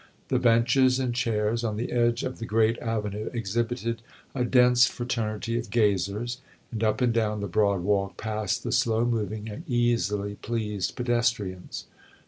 The benches and chairs on the edge of the great avenue exhibited a dense fraternity of gazers, and up and down the broad walk passed the slow moving and easily pleased pedestrians.